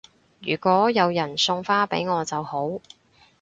如果有人送花俾我就好